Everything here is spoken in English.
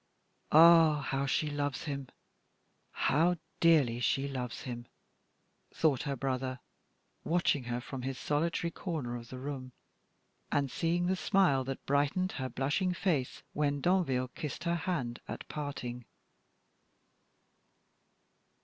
"Ah, how she loves him how dearly she loves him!" thought her brother, watching her from his solitary corner of the room, and seeing the smile that brightened her blushing face when Danville kissed her hand at parting.